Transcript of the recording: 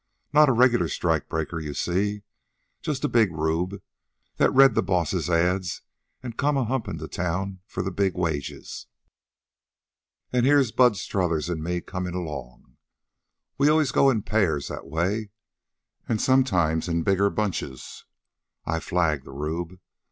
Not a regular strike breaker, you see, just a big rube that's read the bosses' ads an' come a humpin' to town for the big wages. "An' here's Bud Strothers an' me comin' along. We always go in pairs that way, an' sometimes bigger bunches. I flag the rube.